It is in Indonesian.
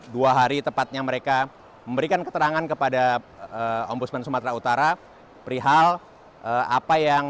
dua hari tepatnya mereka memberikan keterangan kepada ombudsman sumatera utara perihal apa yang